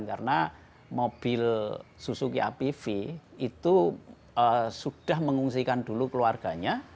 karena mobil suzuki apv itu sudah mengungsikan dulu keluarga